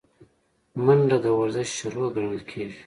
منډه د ورزش شروع ګڼل کېږي